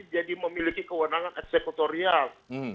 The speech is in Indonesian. jadi memiliki kewenangan eksekutorial